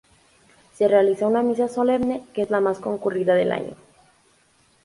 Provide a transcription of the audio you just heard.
Se realiza una misa solemne, que es la más concurrida del año.